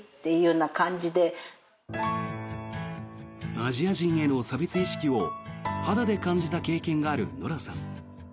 アジア人への差別意識を肌で感じた経験があるノラさん。